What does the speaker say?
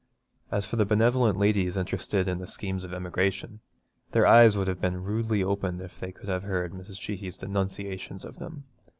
As for the benevolent ladies interested in the schemes of emigration, their eyes would have been rudely opened if they could have heard Mrs. Sheehy's denunciations of them.